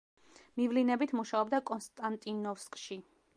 მივლინებით მუშაობდა კონსტანტინოვსკში.